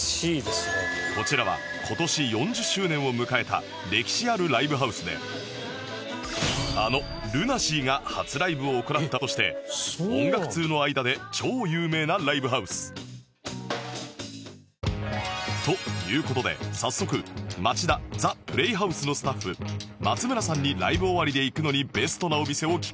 こちらは今年４０周年を迎えた歴史あるライブハウスであの ＬＵＮＡＳＥＡ が初ライブを行った場所として音楽通の間で超有名なライブハウスという事で早速町田 ＴｈｅＰｌａｙＨｏｕｓｅ のスタッフ松村さんにライブ終わりで行くのにベストなお店を聞くと